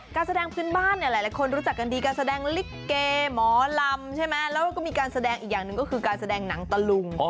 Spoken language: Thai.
การแสดงพื้นบ้านเนี่ยหลายคนรู้จักกันดีการแสดงลิเกหมอลำใช่ไหมแล้วก็มีการแสดงอีกอย่างหนึ่งก็คือการแสดงหนังตะลุง